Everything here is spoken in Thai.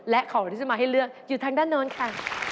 และของที่จะมาให้เลือกอยู่ทางด้านโน้นค่ะ